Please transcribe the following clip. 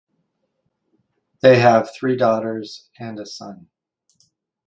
They have three daughters and a son.